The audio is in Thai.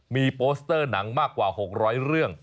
มีโปสเตอร์หนังมากกว่า๖๐๐เรื่อง